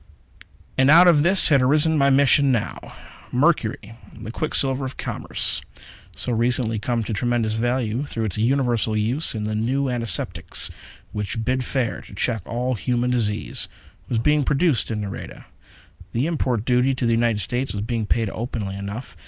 And out of this had arisen my mission now. Mercury the quicksilver of commerce so recently come to tremendous value through its universal use in the new antiseptics which bid fair to check all human disease was being produced in Nareda. The import duty into the United States was being paid openly enough.